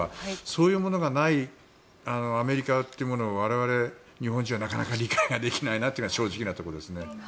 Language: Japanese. そういうことがないアメリカを我々、日本人はなかなか理解できないなというのが正直なところです。